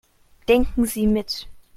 Denken Sie mit.